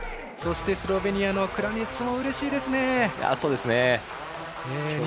そしてスロベニアのクラニェツもうれしいですね。